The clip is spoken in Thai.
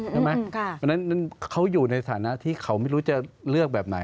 เพราะฉะนั้นเขาอยู่ในฐานะที่เขาไม่รู้จะเลือกแบบไหน